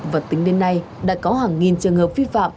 và tính đến nay đã có hàng nghìn trường hợp vi phạm